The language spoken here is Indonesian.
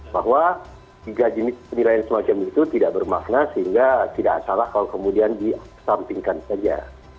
bahwa tiga jenis penilaian semacam itu tidak bermakna sehingga tidak salah kalau kemudian disampingkan saja